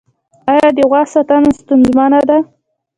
آیا د غوا ساتنه ستونزمنه ده؟